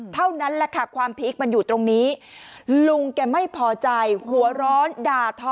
เท่านั้นแหละค่ะความพีคมันอยู่ตรงนี้ลุงแกไม่พอใจหัวร้อนด่าทอ